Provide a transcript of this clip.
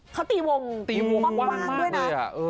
เขาตีวงตีวงกว้างด้วยนะ